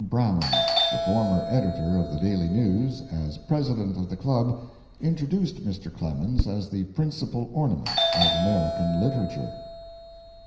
Brown, the former editor of the Daily News, as president of the club, introduced Mr. Clemens as the principal ornament of American literature.